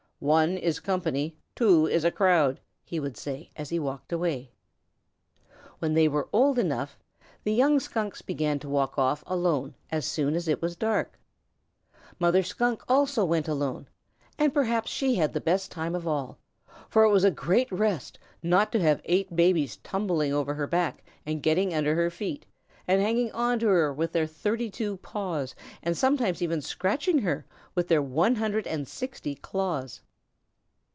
"One is company, two is a crowd," he would say as he walked away. When they were old enough, the young Skunks began to walk off alone as soon as it was dark. Mother Skunk also went alone, and perhaps she had the best time of all, for it was a great rest not to have eight babies tumbling over her back and getting under her feet and hanging on to her with their thirty two paws, and sometimes even scratching her with their one hundred and sixty claws.